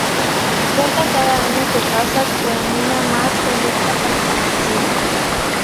Cuenta cada año que pasa con una más selecta participación.